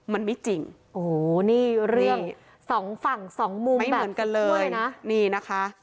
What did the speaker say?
มันไม่จริงโอ้โหนี่เรื่องสองฝั่งสองมุมไม่เหมือนกันเลยนะนี่นะคะ